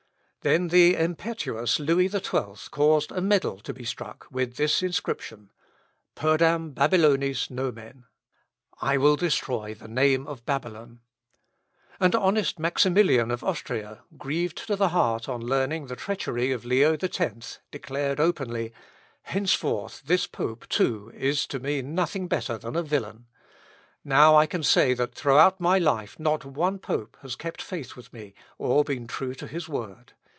Then the impetuous Louis XII caused a medal to be struck with this inscription, "Perdam Babylonis nomen." And honest Maximilian of Austria, grieved to the heart on learning the treachery of Leo X, declared openly, "Henceforth this pope, too, is to me nothing better than a villain; now I can say that throughout my life not one pope has kept faith with me, or been true to his word.